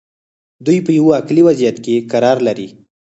دوی په یوه عقلي وضعیت کې قرار لري.